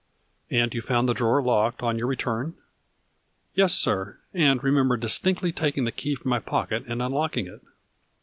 " And you found the drawer locked on your return ?"" Yes, sir, and remember distinctly taking the key from my pocket and unlocking it."